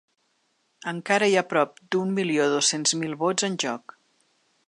Encara hi ha prop de un milió dos-cents mil vots en joc.